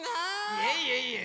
いえいえいえ！